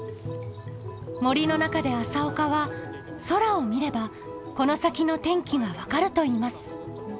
森の中で朝岡は空を見ればこの先の天気が分かると言います。